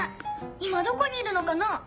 いまどこにいるのかな？